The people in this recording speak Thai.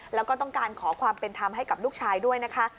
แล้วก็ต้องการขอความเป็นธรรมให้กับลูกชายด้วยนะคะ